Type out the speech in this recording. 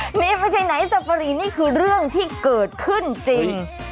นี่ไม่ใช่ไหนสับปะรีนี่คือเรื่องที่เกิดขึ้นจริง